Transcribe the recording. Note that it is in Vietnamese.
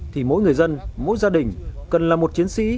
thì mỗi người dân mỗi gia đình cần là một chiến sĩ